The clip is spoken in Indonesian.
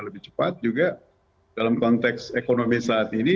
lebih cepat juga dalam konteks ekonomi saat ini